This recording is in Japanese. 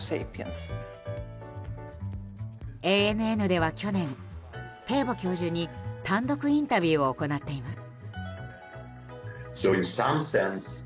ＡＮＮでは去年、ペーボ教授に単独インタビューを行っています。